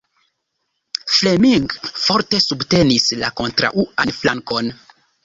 Fleming forte subtenis la kontraŭan flankon.